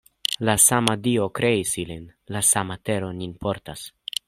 La sama Dio kreis ilin, la sama tero nin portas.